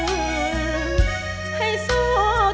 ให้สุขพระเจ้าแต่เข้าใจเข้าใจเขา